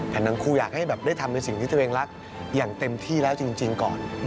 หนังครูอยากให้แบบได้ทำในสิ่งที่ตัวเองรักอย่างเต็มที่แล้วจริงก่อน